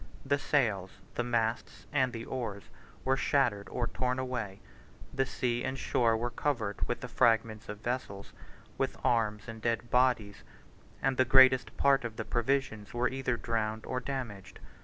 67 The sails, the masts, and the oars, were shattered or torn away; the sea and shore were covered with the fragments of vessels, with arms and dead bodies; and the greatest part of the provisions were either drowned or damaged.